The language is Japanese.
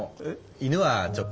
犬はちょっと。